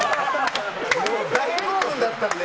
大興奮だったんで。